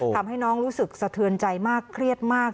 ทำให้น้องรู้สึกสะเทือนใจมากเครียดมาก